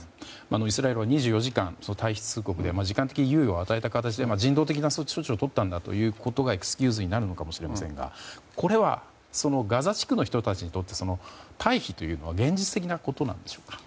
イスラエルは２４時間、退避通告で時間的に猶予を与えた形で人道的な措置をとったんだということがエクスキューズになるのかもしれませんがこれはガザ地区の人たちにとって退避というのは現実的なことなんでしょうか。